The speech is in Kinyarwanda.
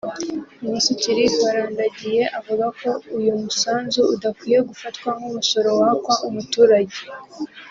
Minisitiri Barandagiye avuga ko uyu musanzu udakwiye gufatwa nk’umusoro wakwa umuturage